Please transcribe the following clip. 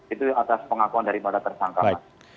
itu atas pengakuan dari pada tersangkapan